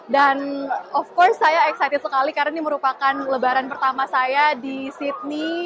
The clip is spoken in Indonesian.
dan of course saya excited sekali karena ini merupakan lebaran pertama saya di sydney